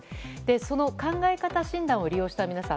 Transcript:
その考え方診断を利用した皆さん